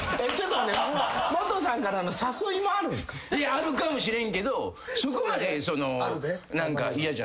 あるかもしれんけどそこまで嫌じゃないやん。